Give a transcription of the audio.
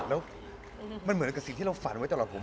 แล้วมันเหมือนกับสิ่งที่เราฝันไว้ตลอดผม